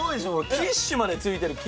キッシュまでついてる。